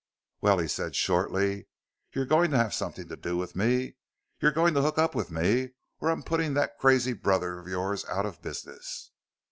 "Well," he said shortly, "you're going to have something to do with me. You're going to hook up with me or I'm putting that crazy brother of yours out of business!"